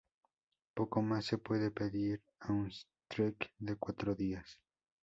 Poco más se puede pedir a un trek de cuatro días.